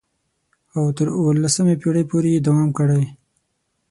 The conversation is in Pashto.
او تر اوولسمې پېړۍ پورې یې دوام کړی.